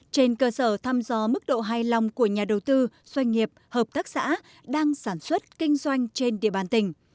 trên cơ sở thăm dò mức độ hài lòng của nhà đầu tư doanh nghiệp hợp tác xã đang sản xuất kinh doanh trên địa bàn tỉnh